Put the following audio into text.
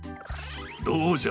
どうじゃ？